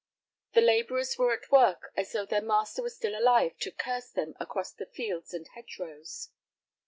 The laborers were at work as though their master was still alive to curse them across fields and hedgerows.